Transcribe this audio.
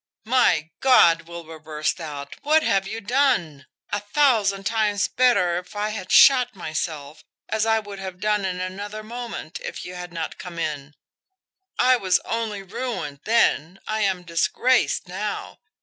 "My God!" Wilbur burst out. "What have you done? A thousand times better if I had shot myself, as I would have done in another moment if you had not come in. I was only ruined then I am disgraced now.